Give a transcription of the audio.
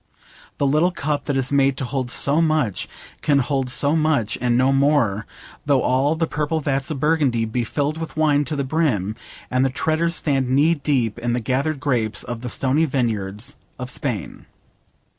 The little cup that is made to hold so much can hold so much and no more, though all the purple vats of Burgundy be filled with wine to the brim, and the treaders stand knee deep in the gathered grapes of the stony vineyards of Spain.